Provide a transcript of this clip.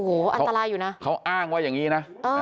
โอ้โหอันตรายอยู่นะเขาอ้างว่าอย่างนี้นะ